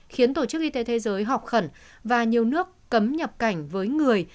khiến tổ chức y tế thế giới học khẩn và nhiều nước cấm nhập cảnh với omicron